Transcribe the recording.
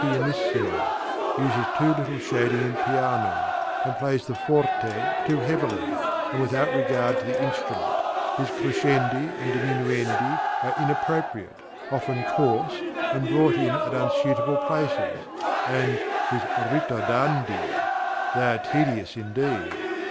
_, uses too little shading in piano, and plays the forte too heavily, and without regard to the instrument; his crescendi and diminuendi are inappropriate, often coarse and brought in at unsuitable places; and his ritardandi! they are tedious indeed!